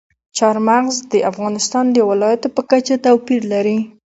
چار مغز د افغانستان د ولایاتو په کچه توپیر لري.